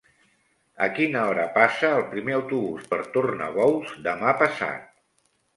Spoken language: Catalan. A quina hora passa el primer autobús per Tornabous demà passat?